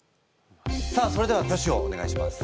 さあそれでは挙手をお願いします。